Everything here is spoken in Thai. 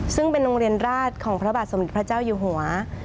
ซึ่งเป็นโรงเรียนราชของพระบาทสมเด็จพระเจ้าอยู่หัว